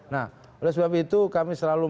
nah oleh sebab itu kami selalu